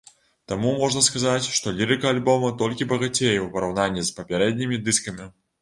Таму можна сказаць, што лірыка альбома толькі багацее ў параўнанні з папярэднімі дыскамі.